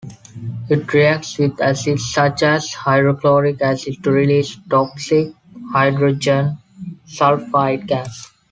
It reacts with acids such as hydrochloric acid to release toxic hydrogen sulfide gas.